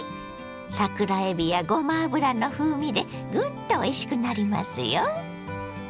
桜えびやごま油の風味でグンとおいしくなりますよ。